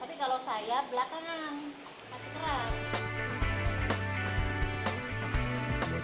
tapi kalau saya belakangan masih keras